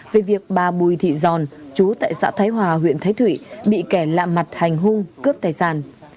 về việc bà bùi thị giòn chú tại xã thái hòa huyện thái thụy bị kẻ lạ mặt hành hung cướp tài sản